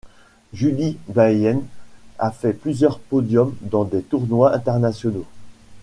Julie Baeyens a fait plusieurs podiums dans des tournois internationaux.